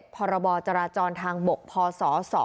๑๕๗พรจราจรทางบพศ๒๕๒๒